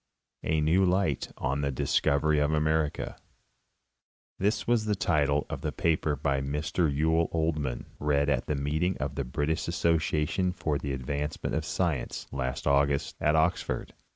A NEW LIGHT ON THE DISCOVERY OF AMERICA This was the title of a paper by Mr Yule Oldham, read at the meeting of the British Association for the Advancement of Sci ence, last August, at Oxford.